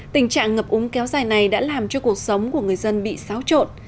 tình trạng ngập úng kéo dài này đã làm cho cuộc sống của người dân bị xáo trộn